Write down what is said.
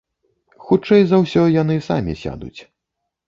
Хутчэй за ўсё, яны самі сядуць.